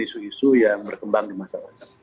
isu isu yang berkembang di masyarakat